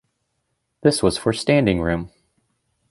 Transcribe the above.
This was for standing room.